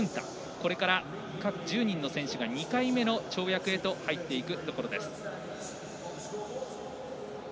これから１０人の選手が２回目の跳躍へと入っていくところです。